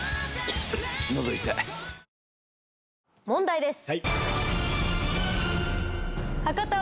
問題です。